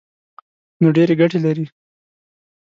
نو ډېرې ګټې لري.